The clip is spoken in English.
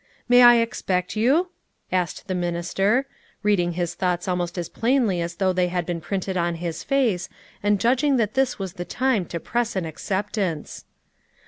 " May I expect you ?" asked the minister, reading his thoughts almost as plainly as though they had been printed on his face, and judging that this was the time to press an acceptance.